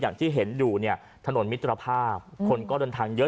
อย่างที่เห็นอยู่เนี่ยถนนมิตรภาพคนก็เดินทางเยอะ